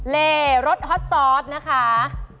เลรสฮอตซอสนะคะ